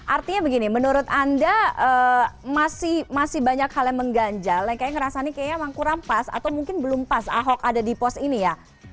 artinya begini menurut anda masih banyak hal yang mengganjal yang kayaknya ngerasa ini kayaknya memang kurang pas atau mungkin belum pas ahok ada di pos ini ya